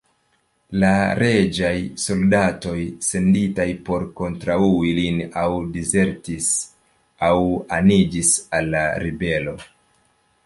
La reĝaj soldatoj senditaj por kontraŭi lin aŭ dizertis aŭ aniĝis al la ribelo.